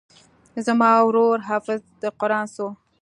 زما ورور حافظ د قران سو.